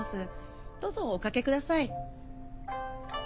どうぞおかけください。